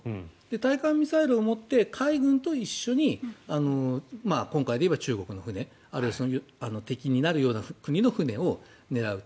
対艦ミサイルを持って海軍と一緒に今回でいえば中国の船あるいは敵になるような国の船を狙うと。